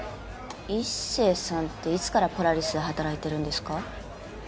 一星さんっていつからポラリスで働いてるんですか？